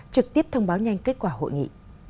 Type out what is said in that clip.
trực tiếp thông báo nhanh kết quả hội nghị